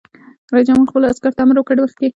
رئیس جمهور خپلو عسکرو ته امر وکړ؛ مخکې!